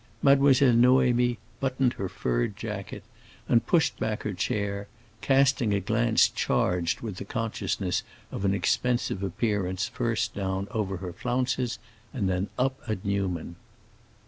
Mademoiselle Noémie buttoned her furred jacket and pushed back her chair, casting a glance charged with the consciousness of an expensive appearance first down over her flounces and then up at Newman.